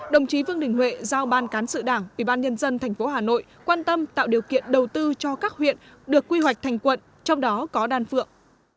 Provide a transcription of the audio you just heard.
đồng chí vương đình huệ giao ban cán sự đảng ủy ban nhân dân tp hà nội quan tâm tạo điều kiện đầu tư cho các huyện được quy hoạch thành quận trong đó có đan phượng